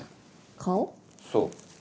そう。